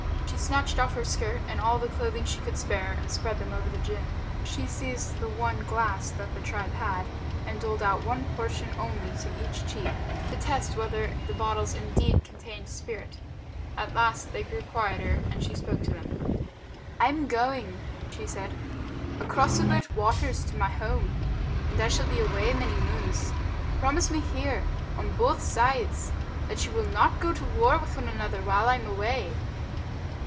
She snatched off her skirt and all the clothing she could spare and spread them over the gin. She seized the one glass that the tribe had, and doled out one portion only to each chief to test whether the bottles indeed contained spirit. At last they grew quieter and she spoke to them. "I am going," she said, "across the Great Waters to my home, and I shall be away many moons. Promise me here, on both sides, that you will not go to war with one another while I am away."